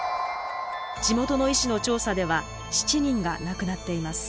地元の医師の調査では７人が亡くなっています。